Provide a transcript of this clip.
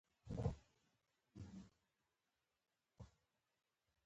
سپی د انسان وفادار ملګری دی